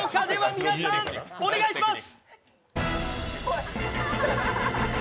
皆さんお願いします。